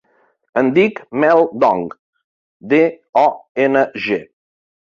Em dic Mel Dong: de, o, ena, ge.